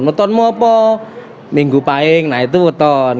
weton mau apa minggu paeng nah itu weton